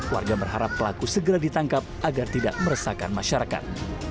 warga berharap pelaku segera ditangkap agar tidak meresahkan masyarakat